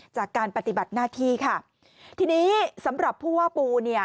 จากการปฏิบัติหน้าที่ค่ะทีนี้สำหรับผู้ว่าปูเนี่ย